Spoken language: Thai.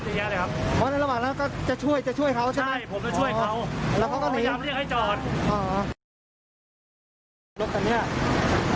ทีนี่เขาขับหนีไปเรื่อยเผี้ยวเยี่ยวแรงหวด